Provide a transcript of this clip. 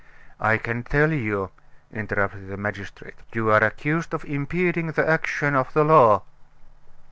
"I can tell you," interrupted the magistrate. "You are accused of impeding the action of the law."